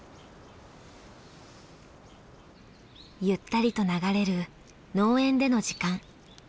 ゆったりと流れる農園での時間。